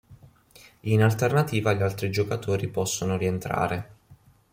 In alternativa gli altri giocatori possono rientrare.